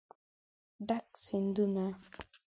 ډک سیندونه